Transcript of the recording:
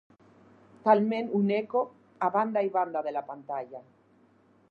Talment un eco a banda i banda de la pantalla.